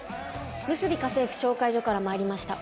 むすび家政婦紹介所から参りました恩田です。